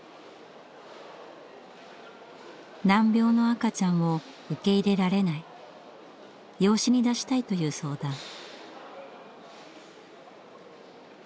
難病の赤ちゃんを受け入れられない養子に出したいという相談。